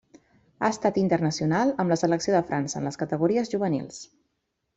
Ha estat internacional amb la selecció de França en les categories juvenils.